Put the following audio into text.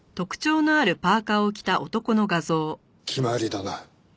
決まりだな。